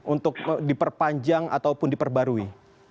untuk diperpanjang ataupun diperbarui